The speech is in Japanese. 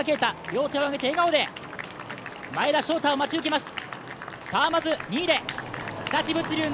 両手を挙げて笑顔で前田将太を待ち受けます。